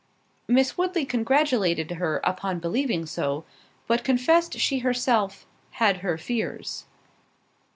Miss Woodley congratulated her upon believing so, but confessed she herself "Had her fears."